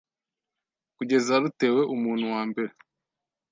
kugeza rutewe umuntu wambere